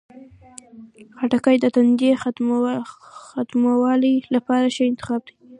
خټکی د تندې ختمولو لپاره ښه انتخاب دی.